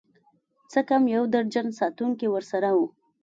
څه کم يو درجن ساتونکي ورسره وو.